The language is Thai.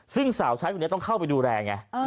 ซึ่งสาวใช้คนนี้ต้องเข้าไปดูแลไง